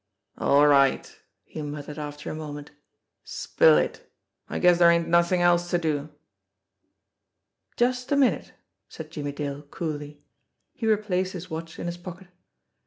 "All right," he muttered after a moment. "Spill it. I guess dere ain't nothing else to da" "Just a minute," said Jimmie Dale coolly. He replaced his watch in his pocket.